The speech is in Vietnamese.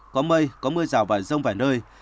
có mây có mưa rào và giông vài nơi